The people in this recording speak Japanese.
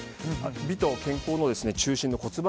美と健康の中心の骨盤